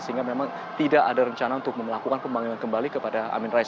sehingga memang tidak ada rencana untuk melakukan pemanggilan kembali kepada amin rais